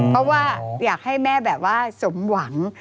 เพราะว่าอยากให้แม่แบบว่าสมหวัง